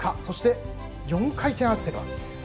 そして、４回転アクセルは？